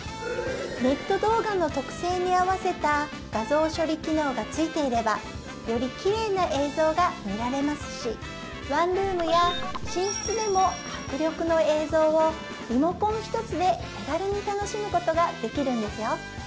ネット動画の特性に合わせた画像処理機能がついていればよりきれいな映像が見られますしワンルームや寝室でも迫力の映像をリモコン一つで手軽に楽しむことができるんですよ